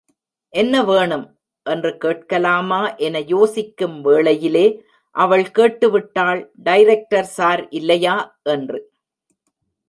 என்ன வேணும்? என்று கேட்கலாமா என யோசிக்கும் வேளையிலே, அவள் கேட்டு விட்டாள் டைரக்டர் ஸார் இல்லையா? என்று.